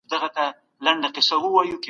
لومړی، دوهم، درېيم زده کوو.